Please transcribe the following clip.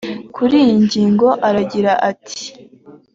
Kuri iyi ngingo aragira ati